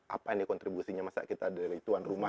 apa ini kontribusinya masa kita dari tuan rumah